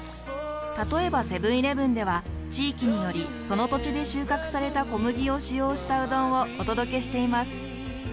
例えばセブンーイレブンでは地域によりその土地で収穫された小麦を使用したうどんをお届けしています。